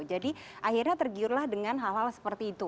jadi akhirnya tergiurlah dengan hal hal seperti itu